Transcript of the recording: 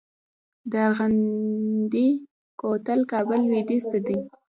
د ارغندې کوتل کابل لویدیځ ته دی